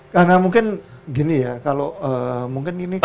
karena mungkin gini ya kalau mungkin ini